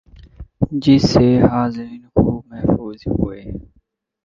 جس سے حاضرین خوب محظوظ ہوئے